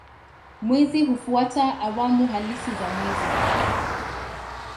Mwezi hufuata awamu halisi za mwezi.